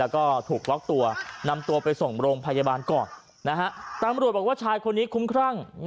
ก็ถูกล็อกตัวนำตัวไปส่งโรงพยาบาลก่อนนะฮะตำรวจบอกว่าชายคนนี้คุ้มครั่ง